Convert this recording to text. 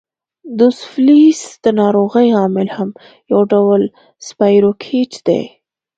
دوسفلیس د ناروغۍ عامل هم یو ډول سپایروکیټ دی.